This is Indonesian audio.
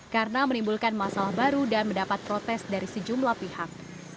karena menimbulkan masalah baru dan mendapat protes dari sejumlah pihak